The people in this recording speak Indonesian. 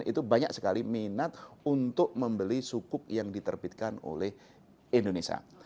itu banyak sekali minat untuk membeli sukuk yang diterbitkan oleh indonesia